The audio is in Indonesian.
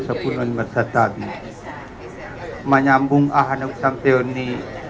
setelah sepuluh lima belas hari menyambung aku sampai ini